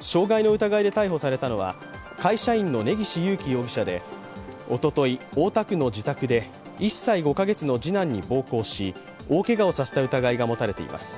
傷害の疑いで逮捕されたのは会社員の根岸優貴容疑者でおととい、大田区の自宅で１歳５カ月の次男に暴行し、大けがをさせた疑いが持たれています。